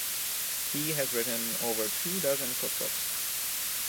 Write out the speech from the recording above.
He has written over two dozen cookbooks.